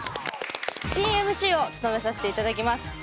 新ＭＣを務めさせて頂きます